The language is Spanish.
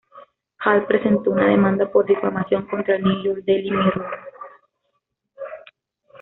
Hall presentó una demanda por difamación contra el New York Daily Mirror.